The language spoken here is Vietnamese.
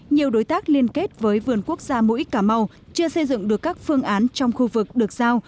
nhiều đối tác liên kết với vườn quốc gia mũi cà mau chưa xây dựng được các phương án trong khu vực được giao